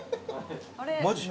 マジ？